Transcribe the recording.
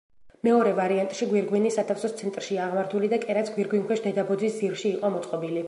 მეორე ვარიანტში გვირგვინი სათავსოს ცენტრშია აღმართული და კერაც გვირგვინქვეშ, დედაბოძის ძირში იყო მოწყობილი.